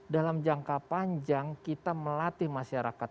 dalam jangka panjang kita melatih masyarakat